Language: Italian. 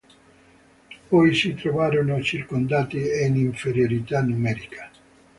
Poi si trovarono circondati e in inferiorità numerica.